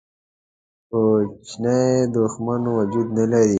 کوچنی دښمن وجود نه لري.